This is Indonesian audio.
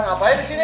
ngapain di sini